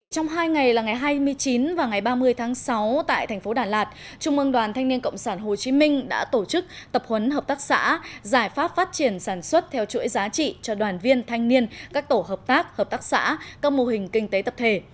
trong hai ngày là ngày hai mươi chín và ngày ba mươi tháng sáu tại thành phố đà lạt trung ương đoàn thanh niên cộng sản hồ chí minh đã tổ chức tập huấn hợp tác xã giải pháp phát triển sản xuất theo chuỗi giá trị cho đoàn viên thanh niên các tổ hợp tác hợp tác xã các mô hình kinh tế tập thể